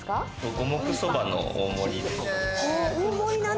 五目そばの大盛り。